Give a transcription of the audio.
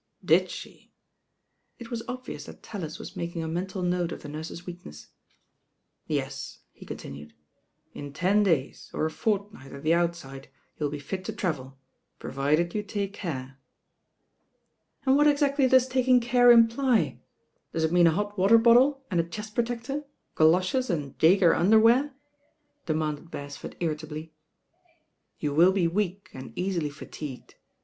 "Did she?" It was obvious that TaUis was mak ing a mental note of the nurse's weakness. "Yes " ^e continued, "in ten days, or a fortnight at the oJt sidc, you 11 be fit to travel, provided you take care." And what exactly does taking care imply ? Does It mean a hot water bottle and a chest protcctor. goloshes and Jaeger underwear?" demanded Bcres ford, irritably. "You wiU be weak and easily fatigued.